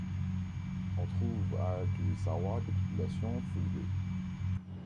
On trouve à Kilissawa des populations Foulbé.